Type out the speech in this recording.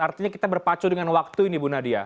artinya kita berpacu dengan waktu ini bu nadia